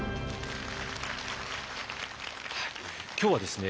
今日はですね